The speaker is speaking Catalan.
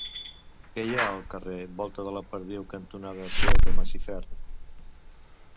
Què hi ha al carrer Volta de la Perdiu cantonada Poeta Masifern?